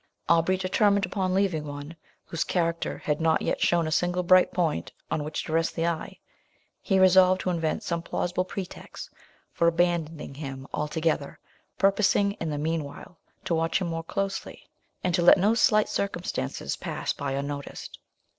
Aubrey determined upon leaving one, whose character had not yet shown a single bright point on which to rest the eye. He resolved to invent some plausible pretext for abandoning him altogether, purposing, in the mean while, to watch him more closely, and to let no slight circumstances pass by unnoticed.